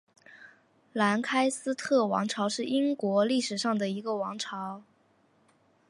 兰开斯特王朝是英国历史上的一个王朝。